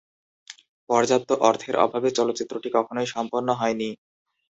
পর্যাপ্ত অর্থের অভাবে চলচ্চিত্রটি কখনোই সম্পন্ন হয়নি।